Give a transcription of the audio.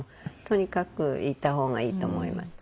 とにかくいた方がいいと思います。